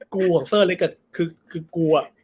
กูของเซอร์เล็กซ์คือกูอะ